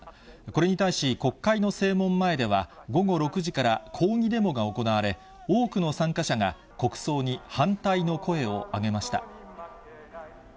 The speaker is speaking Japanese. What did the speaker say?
これに対し国会の正門前では、午後６時から、抗議デモが行われ、多くの参加者が国葬に反対の声を上げました。